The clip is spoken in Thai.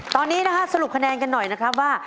ตอนนี้นะฮะสรุปคะแนนกันหน่อยนะครับว่า